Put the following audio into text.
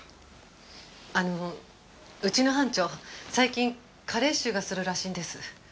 あのうちの班長最近加齢臭がするらしいんです。